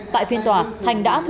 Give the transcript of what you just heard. tại phiên tòa thành đã thử